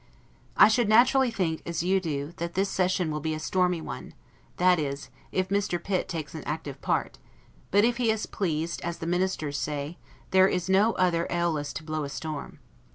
I should naturally think, as you do, that this session will be a stormy one, that is, if Mr. Pitt takes an active part; but if he is pleased, as the Ministers say, there is no other AEolus to blow a storm.